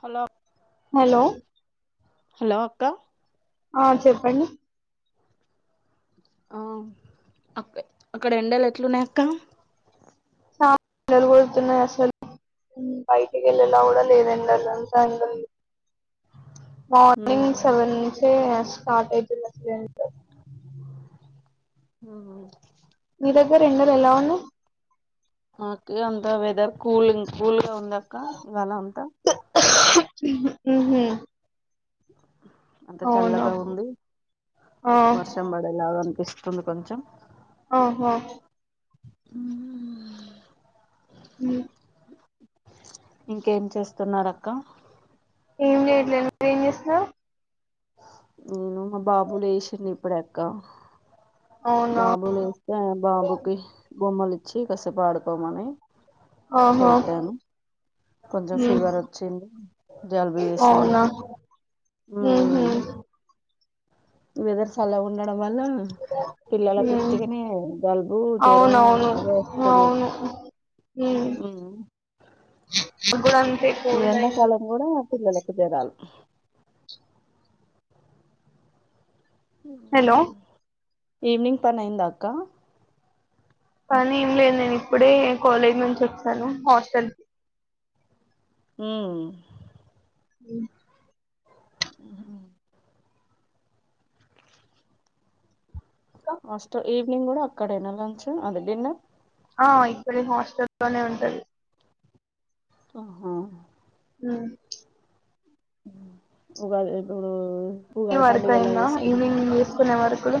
Hello hello hello అక్కా ఆ చెప్పండి ఆ అ అక్కడ ఎండాల ఎట్లున్నాయక్క పిల్లలు కొడుతున్నాయి అసలు బయటికి వెళ్ళేలా కూడా లేదండి అంత మార్నింగ్ సెవెన్ంచ ఎ స్టార్ట్జ సి ఆ మీ దగ్గర ఎండారు ఎలా ఉు నాకు అంత వెదర్ కూలింగ్ కూల్గా ఉందక్క ఇవాళ అంత హ్మ్ హు హుమ్ అంత చల్లగా ఉంది ఆ వర్షం పడేలాగా అనిపిస్ స్తుందు కొంచెం ఓహో అ హ ఇంకేం చేస్తున్నారక్క ఏం లేట్లేదు మరు ఏం చేసన్నారు నేను మా బాబులేష్వరని పడెక్క అవునా బాబు లేస్త బాబుకి గుొమ్మాల కస పాడుకో మనే ఆహా చెపెట్టాను కొంచెం ఉమ్ ఫివర్ వచ్చ ఉ జల్బు జేసింది అవునా ఉహు వెదర్ సళ్ళ గా ఉండడం వల్ల పిల్లల కు ఉమ్ ఉత్తిగానే జలుబు జరం అవునవును ఇవే వస్తున్నాయి అవును హ్మ్ ఇప్పుడు అన్ ఈ ఎండాకాలం కూడా పిల్లలకు జరాల్ హలో ఈవినింగ్ పనైందా అక్క కానీ ఏం లేద్ నేను ఇప్పుడే కాలేజ్ నుంచి వచ్చాను హాస్టల్ కి హ్మ్ అ హు హుమ్ ఆస్ట్ ఈవినింగ్ కూడా అక్కడేనా లంచ్ అది డిన్నర్ ఆ ఇక్కడ హాస్టల్లో నే ఉంటది ఆహో హ్ ఉగాద్ [unintelligible] వినింగ్ వరక్ అయినా ఈవినింగ్ తీసుకునే వరకు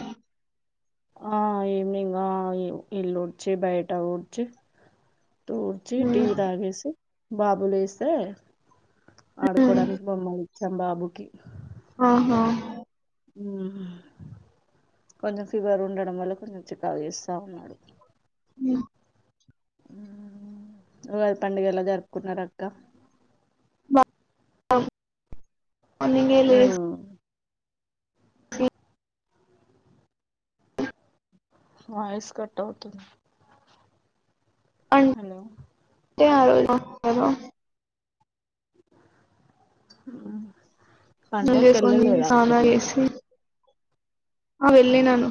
ఆ ఈవినింగ్ ఆ ఇల్లుడ్చి బయట ఊడ్చి తూడ్చి టీ ఉమ్. తాగేసి బాబులేస్తే ఉమ్. ఆడుకోడానికి బొమ్మ ది చం బాబుకి ఆహా కొంచెం ఫీవర్ ఉండడం వల్ల కొంచెం చిక్కా గ్ చేస్తా ఉన్నాడు ఉ ఊ ఉగాది పండుగ ఎలా జరుపుకున్నారు అక్క వా అ అందు కే లే వాయిస్ కట్టవుతున్నా హలో యాదోల అలా హ్మ్ నూల్ చేసుకోనీ తిని సానా చేసి ఆ వెళ్ళినాను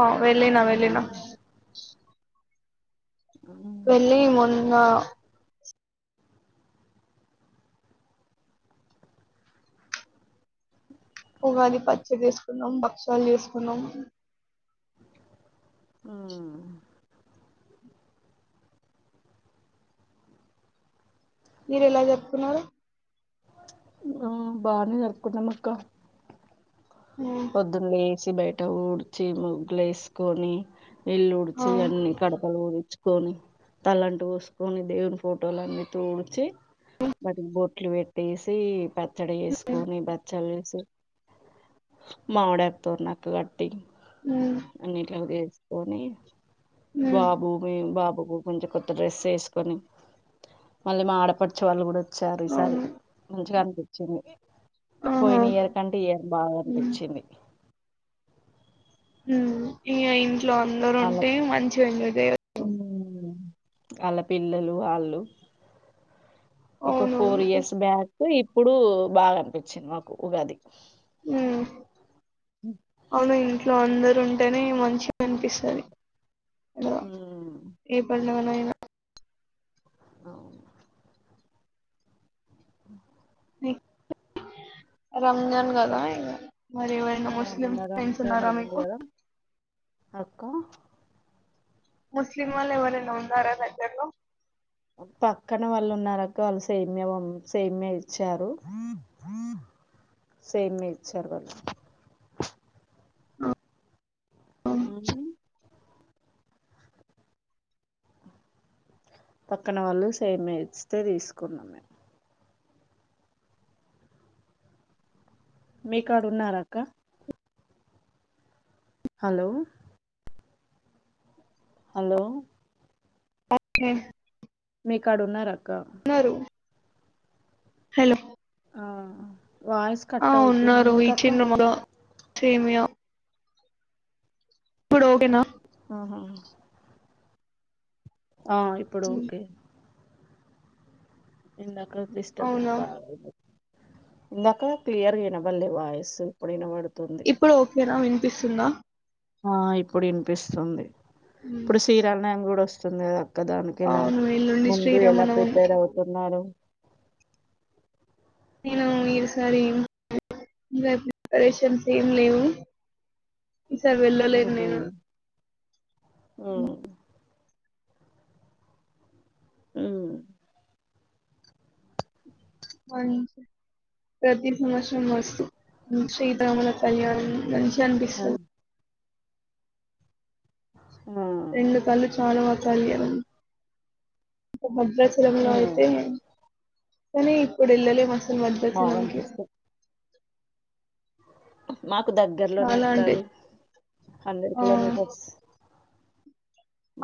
ఆ వెళ్ళినా వెళ్ళినా వెళ్ళి మొన్నా ఉగాది పచ్చి తీసుకున్నాం బ సల్ చూస్కున్నాం ఊ మీరు ఎలా చెప్తున్నారు ఆ బానే నర్కుతున్న మక్క ఆ పొద్దునే వసి బయట ఊడ్చి ముగ్గులు వేసుకొని ఇల్లు ఆ ఉడిచి ఉమ్ అన్ని కడపలు ఊడిచి కొని తలంటు పోసుకొని దేవుని ఫోటోలన్నీ తూడ్చి బోట్ ఇట్లు పెట్టేసి పచ్చడి వేసుకొని బచ్చలు వేసి మావిడాకుతోరణాలు కట్ టి అనేట్ ఉద పోనీ ఉమ్ బాబు మీ బాబ్ కొంచెం కొత్త డ్రెస్ వేసుకొని మళ్ళీ మా ఆడపడిచు వాళ్ళు కూడా సరే సరే అవును మంచిగా అం వచ్చన్ ఆహా పోయిన ఇయర్ కంటే ఈ ఇయర్ బాగా ఉమ్ అనిపించింది ఉం ఇంగా లో అందరు వాళ్ళ ఉంటే మంచిగా ఎంజాయ్ చేయొచ్చు వాళ్ళ పిల్లలు వాళ్ళు ఒక ఫోర్ అవునవును ఇయర్స్ బ్యాక్ ఇప్పుడు బాగా అనిపించింది మాకు ఉగాది ఉ అవును ఇట్లో వంద ఉంటేనే మంచిగా కనిపిస్తుంది ఊమ్ మా నాయన అవును అ రంజాన్ గద మరి ఎవరైనా ఆ ముస్లిమ్ మొన్న ఫ్రెండ్స్ రంజాన్ ఉన్నారా అయ్యింది మీకు కదా అక్క ముస్లిం వాళ్ళ ఎవరైనా ఉన్నార దగ్గరలో పక్కన వాళ్ళు ఉన్నారక్క వాళ్ళు సేమ్య సేమ్య ఇచ్చారు. సేమ్య ఇచ్చారు వాళ్ళు. అనా పక్కన వాళ్ళు సేమ్యా ఇస్తే తీసుకున్నాం మేము మీకాడ ఉన్నార అక్క హలో హలో ఓకే మీ కాడున్నారా అన్నారు హలో ఆ వాయిస్ కట్ అవుతుంది ఎందుక్క సేమయ పడోగనా ఆహా ఆ ఇప్పుడు ఉమ్. ఓకే ఇంద డిస్టర్బంట్ అవునా బాగా ఇందాక క్లియర్గా వినబలే వాయిసు ఇప్పుడునబడుతంది ఇప్పుడు ఓకేనా వినిపిస్తుందా ఆ ఇప్పుడు వినిపిస్తుంది ఉమ్ ఇప్పుడు సీరాలనేం కూడా వస్తుంది చిన్న పక్క దానికి ఇలా అవును ఎల్లుండి ముందు ఎలా శ్రీరామనవమికి ప్రిపేర్ అవుతున్నారు నేను ఈరుసారి ఏం ఇంకా ప్రిపరేషన్స్ ఏం లేవు ఈసారి వెళ్ళలేదు నేను అ అ మ ప్రతి సమసం వస్తుంచి ఇద్దమల కళ్యాణ మనిష అనిపిస్తు ఆ రెండు కళ్ళు చాలవు ఆ కళ్యాణం ఇంకా భద్రాచలంలో ఆ ఉ అయితే కానీ ఇప్పుడు ఇళ్లలు మాసలు మద్దద్దతి నకి బావనిపిస్తాయి. మాకు దగ్గరలోనే చాలా అక్క అంటే అది హండ్రెడ్ ఆ, కిలోమీటర్స్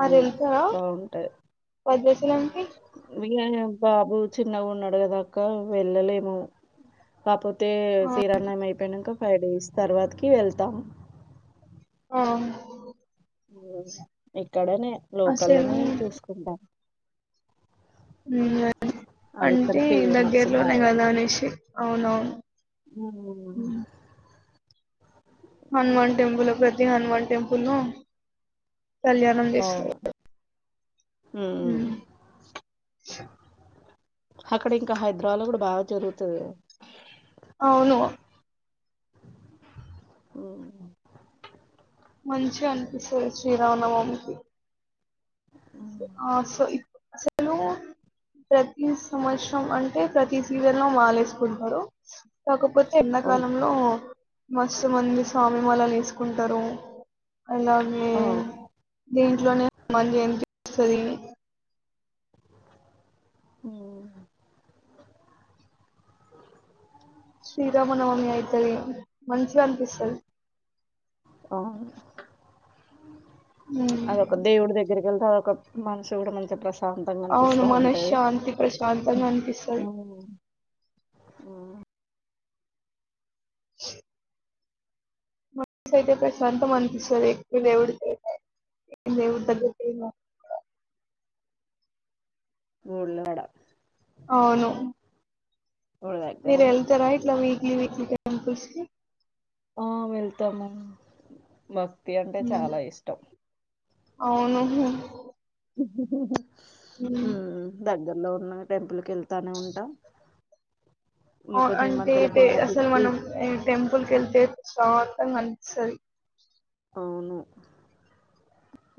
ఉ బాగుంటాయి పది పైసలు ఇక బాబు చిన్నగా ఉన్నాడు కదాక్క వెళ్ళలేను కాకపోతే తే ఆ, శ్రీరామనవమి అయిపోయినంక ఫైవ్ డేస్ తర్వాతకి వెళ్తా ఆ ఇక్కడనే అసలు లోకల్నే చూసుకుంటాను ఉ అది ఇక్కడ అంటే ఫేమస్ దగ్గర్లోనే కదా అనేషి అవునువును అ హనుమాన్ టెంపుల్ ప్రతి హనుమాన్ టెంపుల్ లో కళ్యాణం చేస్తారు ఉ ఉమ్ అక్కడ ఇంకా హైదరాబాద్ లో కూడా బాగా జరుగుతుంది కదా అవును ఓ మంచిగా అనిపిస్తుంది శ్రీరామనమా మికి ఆ సో ఇప్పుడు సో అలు ప్రతి సంవత్సరం అంటే ప్రతి సీజన్ లో మాలేసుకుంటారు కాకపోతే అవును. ఎండాకాలంలో మస్తు మంది స్వామి మళలు తీసుకుంటారు అలాగే ఆ! దీంట్లోనే హనుమాన్ జయంతి సదిని ఉ శ్రీరామనవమి అయితది మంంచి గా అనిపిస్తాది ఆ ఉమ్ అద ఒ ఒక దేవుడు దగ్గర వెళ్తా ఒక మనష కూడా మంచి ప్రశ్న అవును మనశ్శాంతి ప్రశాంతంగా అనిపిస్తది ఆ మన అయితే ప్రశాంతం అనిపిస్తుంది ఎకువ దేవుడికి దేవుడి దగ్గర ఊళ్ళడ అవును గుడి దగ్గర మీరు వెళ్తార ఇట్లా వీక్లీ వీక్లీ కాకస్తు వెళ్తాము బా తి అంటే ఉమ్, చాలా ఇష్టం అవును ఉహోహో మ్మ్. ఉ దగ్గలో ఉన్న టెంపుల్కి వెళ్త ఇగ కొంచెం ఈ మధ్యలో అంటే అసలు బాబుకు మనం టెంపుల్కి వెళ్తే స్వాగతం మనుసరి అవును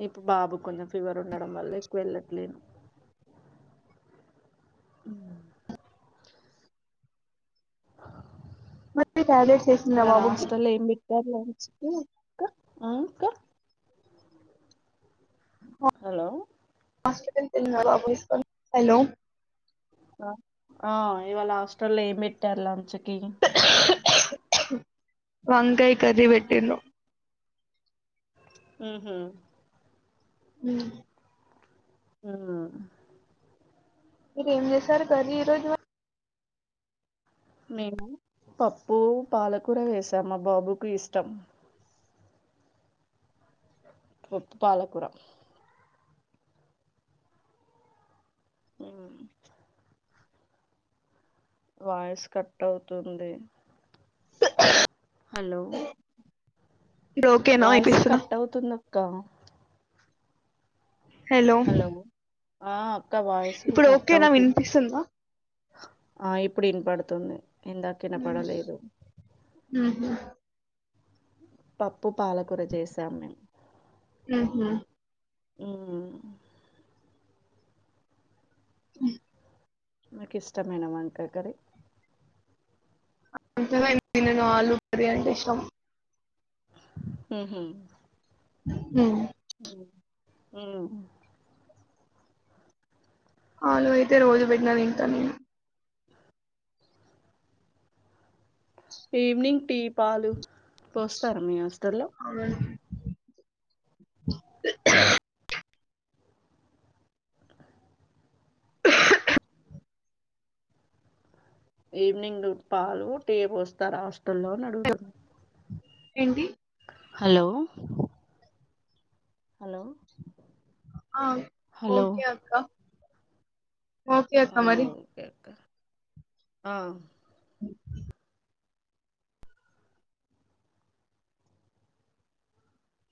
ఇప్పు బాబు కొంచెం ఫీవర్ ఉండడం వల్ల ఎక్కువ వెళ్ళట్లేను ఉ మరి టాబ్లెట్స్ వేసిందా ఇవాల బాబుకి హస్టల్ లొ ఏం పెట్టారు లంచ్ అక్క హలో మాస్కన్ తలిమే బయస్క హలో ఆ ఇవాళ హాస్టల్లో ఏం పెట్టారు లంచ్ కి వాంకాయి కర్రి పెట్టారు ఉహ అ ఆ ఇది ఎం చేస్తారు గ రోజ మా మేను పప్పు పాలకూర వేసాం బాబుకు ఇష్టం పప్పు పాలకుర అ వాయిస్ కట్ అవుతుంది హలో ఇప్పుడు ఓకేనా వాయిసు వినిపిస్తుందా కట్వుతున్నప్పుడు కుక్క హలో ఆ అక్క వాయిసు ఇప్పుడు కట్ ఓకేనా అవుతుంది వినిపిస్తుందా అప్పుడ పడుతుంది ఇందాక వినపడలేదు మ్మ్ హ్ పప్పు పాలకూర చేసాం మేం మ్మ్ హు హూ అ నీకు ఇష్టమైన వంకయి కర్రీ అంతగా ఏం తినను ఆలు కర్రీ అంటేం ఇష్టం హ హ అ ఆలూ అయితే రోజు పెట్టిన తింట నేను ఈవినింగ్ టీ పాలు పోస్తా మీ హస్తటల్ల్లో ఆ [inaudible] ఈవినింగ్ పాలు టీ పోస్తారా పుట్టల్లో అడుగుతుంది ఏంటి హలో హలో ఆ హలో ఓకే అక్క ఓకే అక్క ఆ మరి ఓకే అక్క ఆ